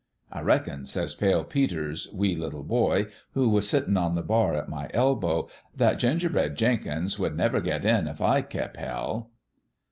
"' I reckon,' says Pale Peter's wee little boy, who was sittin' on the bar at my elbow, * that Gingerbread Jenkins would never get in if /kep' hell.'